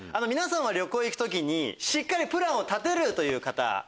旅行行く時にしっかりプランを立てるという方？